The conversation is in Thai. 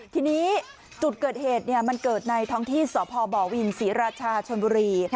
ทีนี้จุดเกิดเหตุมันเกิดในท้องที่สพบวินศรีราชาชนบุรี